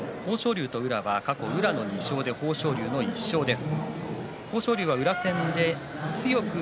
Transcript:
豊昇龍と宇良は過去宇良の２勝で豊昇龍の１勝です。